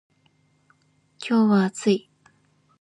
今日は暑い。